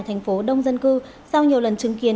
thành phố đông dân cư sau nhiều lần chứng kiến